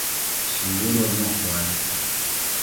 Anguro nokwal .